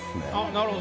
なるほど。